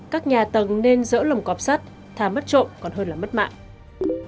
các nhà tầng nên rỡ lồng cọp sắt thà mất trộm còn hơn là mất mạng